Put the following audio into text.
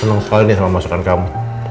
senang sekali nih sama masakan kamu